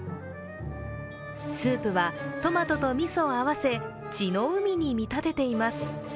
スープはトマトとみそを合わせ、血の海に見立てています。